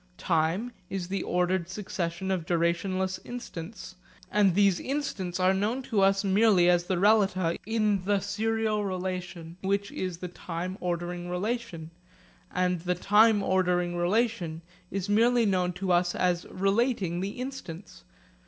Time is the ordered succession of durationless instants; and these instants are known to us merely as the relata in the serial relation which is the time ordering relation, and the time ordering relation is merely known to us as relating the instants.